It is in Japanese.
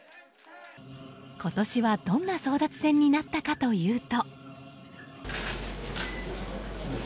今年はどんな争奪戦になったかというと。